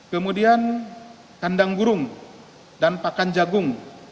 kemudian kandang burung dan pakan jagung